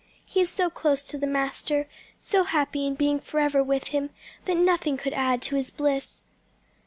He is so close to the Master, so happy in being forever with Him, that nothing could add to his bliss."